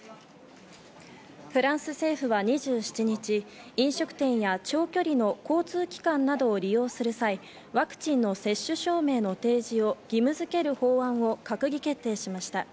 フランス政府は２７日、飲食店や長距離の交通機関などを利用する際、ワクチンの接種証明の提示を義務づける法案を閣議決定しました。